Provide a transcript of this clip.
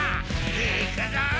いくぞ！